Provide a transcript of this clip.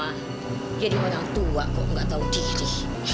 aduh mama mama jadi orang tua kok nggak tahu diri